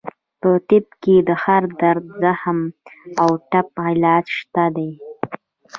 په طب کې د هر درد، زخم او ټپ علاج شته دی.